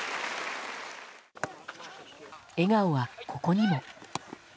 笑顔は、ここにも。